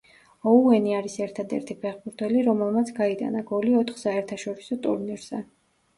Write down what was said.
ოუენი არის ერთადერთი ფეხბურთელი, რომელმაც გაიტანა გოლი ოთხ საერთაშორისო ტურნირზე.